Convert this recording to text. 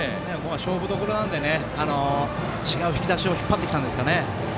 勝負どころなので違う引き出しを引っ張ってきたんですかね。